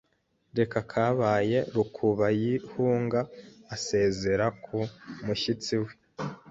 Kera kabaye Rukubayihunga asezera ku mushyitsi we